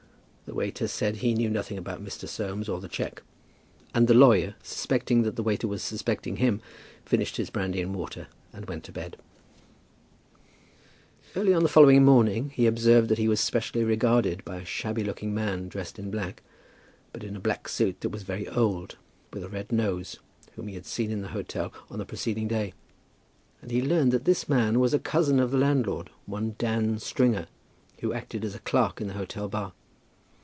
The waiter said he knew nothing about Mr. Soames, or the cheque, and the lawyer suspecting that the waiter was suspecting him, finished his brandy and water and went to bed. [Illustration: Mr. Toogood and the old Waiter.] Early on the following morning he observed that he was specially regarded by a shabby looking man, dressed in black, but in a black suit that was very old, with a red nose, whom he had seen in the hotel on the preceding day; and he learned that this man was a cousin of the landlord, one Dan Stringer, who acted as a clerk in the hotel bar.